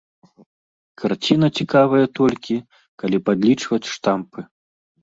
Карціна цікавая толькі, калі падлічваць штампы.